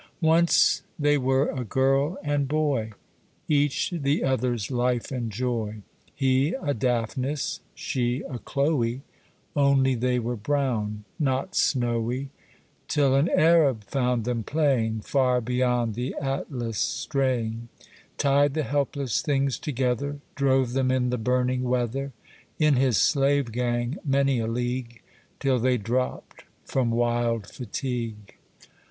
Once they were a girl and boy, Each the other's life and joy. He a Daphnis, she a Chloe, Only they were brown, not snowy, Till an Arab found them playing Far beyond the Atlas straying, Tied the helpless things together, Drove them in the burning weather, In his slave gang many a league, Till they dropped from wild fatigue.